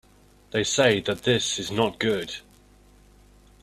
They say this is not good.